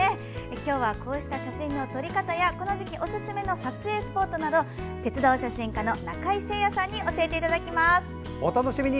今日はこうした写真の撮り方やこの時期おすすめの撮影スポットなど、鉄道写真家の中井精也さんにお楽しみに。